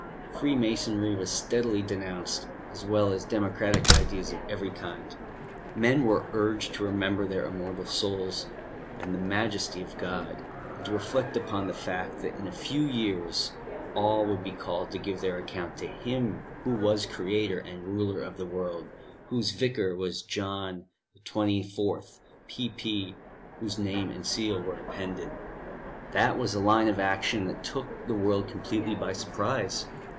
Freemasonry was steadily denounced, as well as democratic ideas of every kind; men were urged to remember their immortal souls and the Majesty of God, and to reflect upon the fact that in a few years all would be called to give their account to Him Who was Creator and Ruler of the world, Whose Vicar was John XXIV, P.P., whose name and seal were appended. That was a line of action that took the world completely by surprise.